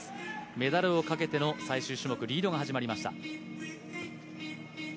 メダルをかけての最終種目リードが始まりました。